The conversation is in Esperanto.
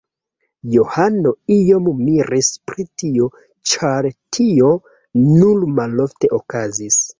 Johano iom miris pri tio, ĉar tio nur malofte okazis.